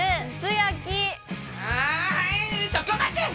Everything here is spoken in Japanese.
はいそこまで！